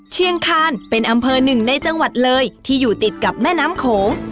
เชียงคานเป็นอำเภอหนึ่งในจังหวัดเลยที่อยู่ติดกับแม่น้ำโขง